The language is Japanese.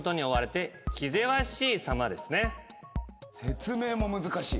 説明も難しい。